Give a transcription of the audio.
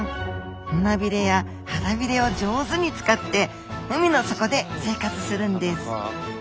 胸ビレや腹ビレを上手に使って海の底で生活するんです。